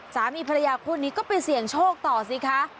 สามีภรรยาคู่นี้ก็ไปเสี่ยงโชคต่อสิคะ